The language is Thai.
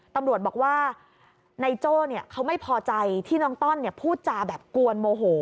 ตำรวจบอกว่านายโจ้เขาไม่พอใจที่น้องต้อนพูดจาแบบกวนโมโห